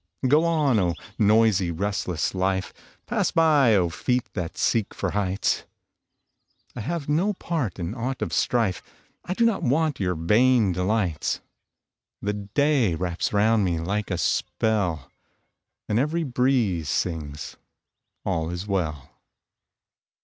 Go on, oh, noisy, restless life! Pass by, oh, feet that seek for heights! I have no part in aught of strife; I do not want your vain delights. The day wraps round me like a spell, And every breeze sings, "All is well."